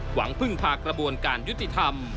หวังพึ่งพากระบวนการยุติธรรม